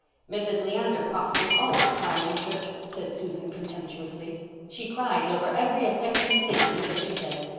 "Mrs. Leander Crawford is always crying in church," said Susan contemptuously. "She cries over every affecting thing the minister says.